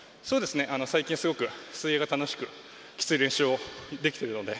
最近、すごく水泳が楽しくきつい練習をできているので。